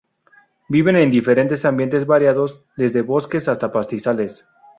Viven en diferentes ambientes variados, desde bosques hasta pastizales.